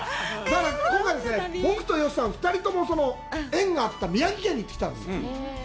僕と吉さん、２人とも縁があった宮城に行ってきたんです。